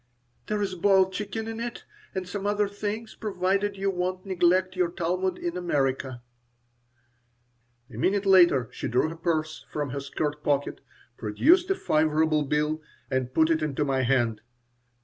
"There is a boiled chicken in it, and some other things, provided you won't neglect your Talmud in America." A minute later she drew her purse from her skirt pocket, produced a five ruble bill, and put it into my hand.